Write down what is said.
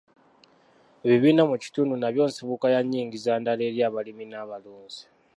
Ebibiina mu kitundu nabyo nsibuko ya nyingiza ndala eri abalimi n'abalunzi.